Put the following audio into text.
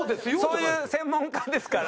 そういう専門家ですから。